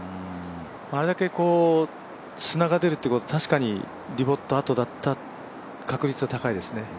あれだけ砂が出るということは、確かにディボットあとだった確率が高いですね。